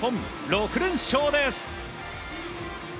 ６連勝です。